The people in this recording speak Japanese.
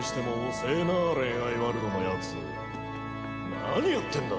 何やってんだ？